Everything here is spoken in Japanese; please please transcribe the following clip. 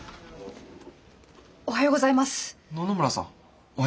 おはようございます。